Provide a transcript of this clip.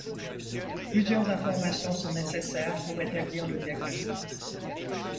Plusieurs informations sont nécessaires pour établir le diagnostic.